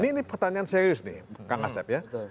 ini pertanyaan serius nih kang asep ya